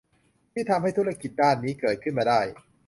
ที่ทำให้ธุรกิจด้านนี้เกิดขึ้นมาได้